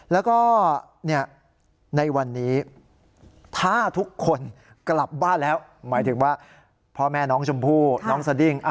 แล้วก็ในวันนี้ถ้าทุกคนกลับบ้านแล้วหมายถึงว่าพ่อแม่น้องชมพู่น้องสดิ้ง